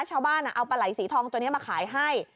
ชาวบ้านเอาปลาไหลสีทองตัวนี้มาขายให้